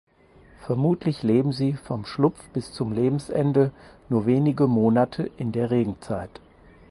Vermutlich leben sie vom Schlupf bis zum Lebensende nur wenige Monate in der Regenzeit.